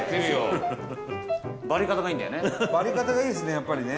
伊達：バリ硬がいいですねやっぱりね。